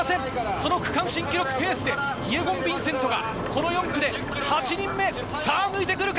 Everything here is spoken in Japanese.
その区間新記録ペースでヴィンセントが４区で８人目抜いてくるか？